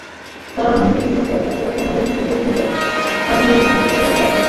তারামন বিবির মতো খেতাবপ্রাপ্ত নারী মুক্তিযোদ্ধাকে আজীবন ভাতা দিচ্ছে ব্র্যাক ব্যাংক।